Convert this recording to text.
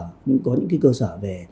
có những cái cơ sở về